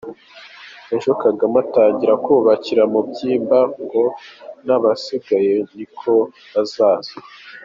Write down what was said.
Ejo Kagame atangire kubakina ku mubyimba ngo n’abasigaye ni uko bazaza!